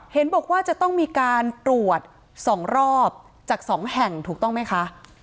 เห็นบอกว่าจะต้องมีการตรวจ๒รอบจาก๒แห่งถูกต้องไหมคะ